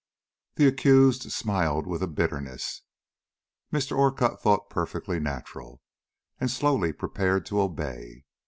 The accused smiled with a bitterness Mr. Orcutt thought perfectly natural, and slowly prepared to obey.